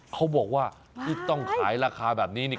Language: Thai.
เขาบอกว่าคุณต้องขายราคาแบบนี้